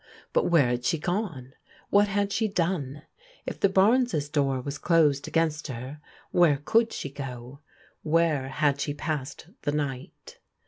But where had she gone? What had she done? . If the Barnes' door was closed against her where could she go? Where had she passed the night